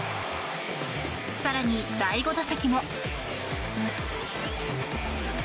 更に第５打席も。